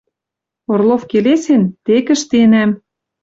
Орлов келесен — тек ӹштенӓм.